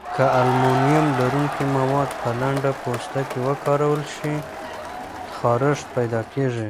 که المونیم لرونکي مواد په لنده پوستکي وکارول شي، خارښت پیدا کېږي.